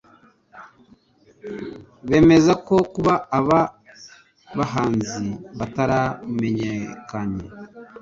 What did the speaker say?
bemezako kuba aba bahanzi bataramenyekanye